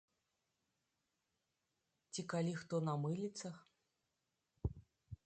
Ці калі хто на мыліцах.